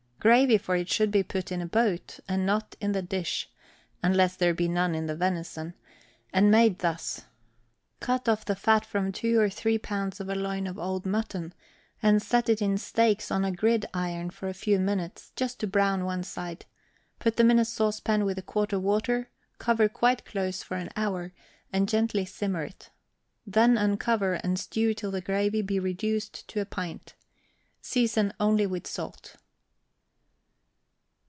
Gravy for it should be put in a boat, and not in the dish (unless there be none in the venison), and made thus: cut off the fat from two or three pounds of a loin of old mutton, and set it in steaks on a gridiron for a few minutes, just to brown one side; put them in a saucepan with a quart of water, cover quite close for an hour, and gently simmer it; then uncover, and stew till the gravy be reduced to a pint. Season only with salt.